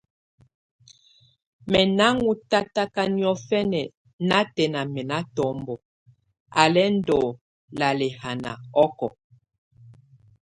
Mɛ́ ná ŋɔ́ tataka niɔ̀fǝnà natɛna mɛ́ ná tɔmbɔ á lɛ́ ndɔ́ lalɛ́haná ɔkɔɔ.